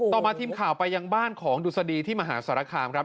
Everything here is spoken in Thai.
ต่อมาทีมข่าวไปยังบ้านของดุษฎีที่มหาสารคามครับ